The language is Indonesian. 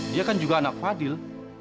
dia kan juga anak fadil